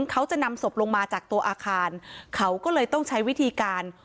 เขาจะนำศพลงมาจากตัวอาคารเขาก็เลยต้องใช้วิธีการ